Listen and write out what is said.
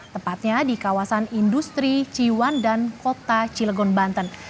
tepatnya di kawasan industri ciwan dan kota cilegon banten